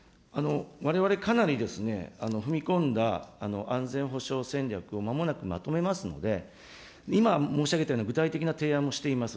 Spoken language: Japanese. われわれ、かなりですね、踏み込んだ安全保障戦略をまもなくまとめますので、今申し上げたような具体的な提案もしています。